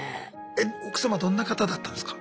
奥様どんな方だったんですか？